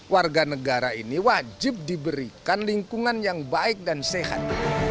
warga negara ini wajib diberikan lingkungan yang baik dan sehat